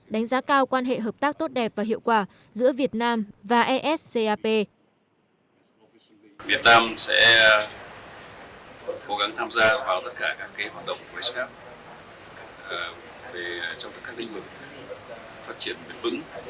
đánh giá cao quan hệ hợp tác tốt đẹp và hiệu quả giữa việt nam và s cap